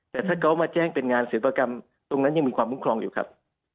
แต่ถ้าเขามาแจ้งเป็นงานศิลปกรรมตรงนั้นยังมีความคุ้มครองอยู่ครับ